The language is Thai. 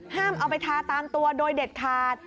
เอาไปทาตามตัวโดยเด็ดขาด